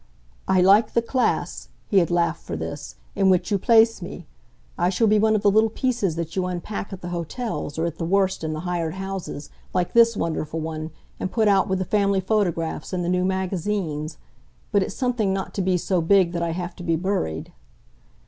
"I like the class," he had laughed for this, "in which you place me! I shall be one of the little pieces that you unpack at the hotels, or at the worst in the hired houses, like this wonderful one, and put out with the family photographs and the new magazines. But it's something not to be so big that I have to be buried."